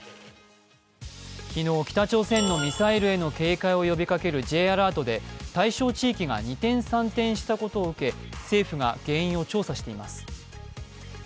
昨日、北朝鮮のミサイルに警戒を呼びかけるＪアラートで対象地域が二転三転したことを受け政府が原因を調査しています。